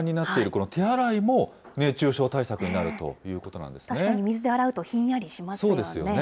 この手洗いも、熱中症対策になるということ確かに水で洗うとひんやりしますよね。